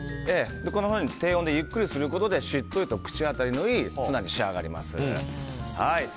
こんなふうに低温でゆっくりすることでしっとりと口当たりのいいツナに仕上がります。